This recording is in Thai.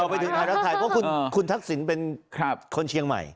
ไปถึงไทยรักไทยเพราะคุณทักษิณเป็นคนเชียงใหม่